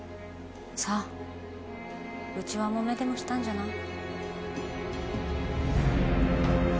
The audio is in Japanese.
さあ内輪もめでもしたんじゃない？